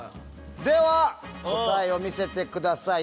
では答えを見せてください。